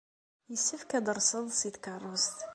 Yessefk ad d-terseḍ seg tkeṛṛust.